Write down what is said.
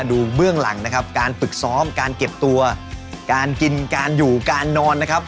เบื้องหลังนะครับการฝึกซ้อมการเก็บตัวการกินการอยู่การนอนนะครับ